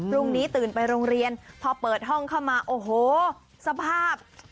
พรุ่งนี้ตื่นไปโรงเรียนพอเปิดห้องเข้ามาโอ้โหสภาพ